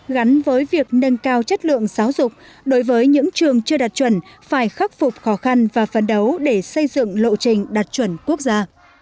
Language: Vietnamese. gắn với việc nâng cao chất lượng giáo dục đối với những trường chưa đạt chuẩn phải khắc phục khó khăn và phấn đấu để xây dựng lộ trình đạt chuẩn quốc gia